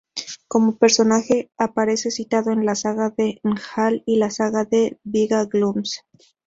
Como personaje aparece citado en la "saga de Njál", y la "saga de Víga-Glúms".